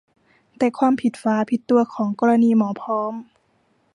แต่ความผิดฝาผิดตัวของกรณีหมอพร้อม